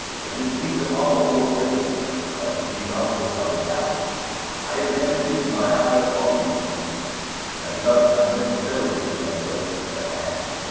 They would seize upon almost any letter I could write as being an " awful coming Lincoln to down." I intend keeping my eye upon these gentlemen, (^e^ti^) and to not unnecessarily put any weapons in their hands. ms.